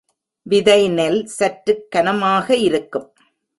விதை நெல் சற்றுக் கனமாக இருக்கும்.